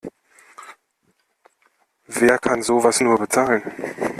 Wer kann sowas nur bezahlen?